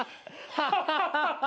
ハハハハ。